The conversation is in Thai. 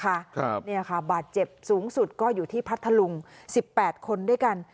ครับเนี่ยค่ะบาดเจ็บสูงสุดก็อยู่ที่พัทธลุงสิบแปดคนด้วยกัน